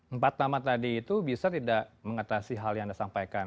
empat nama tadi itu bisa tidak mengatasi hal yang anda sampaikan